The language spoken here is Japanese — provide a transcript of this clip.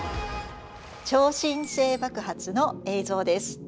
超新星爆発の映像です。